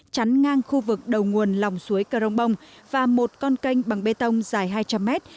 chắn ngang khu vực đầu nguồn lòng suối cờ rông bông và một con canh bằng bê tông dài hai trăm linh mét